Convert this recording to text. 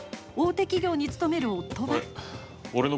大手企業に勤める夫は。